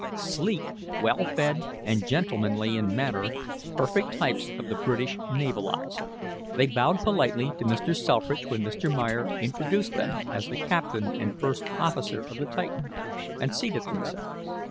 Sleek, well fed, and gentlemanly in manner, perfect types of the British naval officer, they bowed politely to Mr. Selfridge when Mr. Meyer introduced them as the captain and first officer of the Titan, and seated themselves.